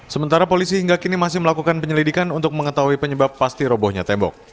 sementara polisi hingga kini masih melakukan penyelidikan untuk mengetahui penyebab pasti robohnya tembok